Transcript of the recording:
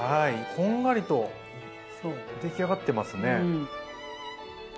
こんがりとできあがってますね！